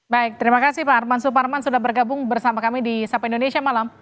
baik terima kasih pak arman suparman sudah bergabung bersama kami di sapa indonesia malam